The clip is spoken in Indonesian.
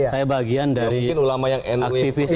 saya bagian dari aktivis nu